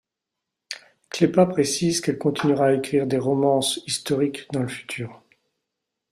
Kleypas précise qu'elle continuera à écrire des romances historiques dans le futur.